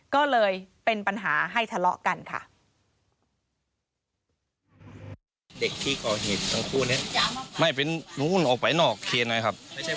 ก็เลยเป็นปัญหาให้ทะเลาะกันค่ะ